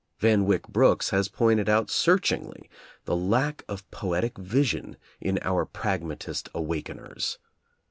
Van Wyck Brooks has pointed out searchingly the lack of poetic vision in our pragmatist "awakeners."